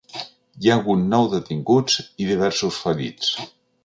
Hi ha hagut nou detinguts i diversos ferits.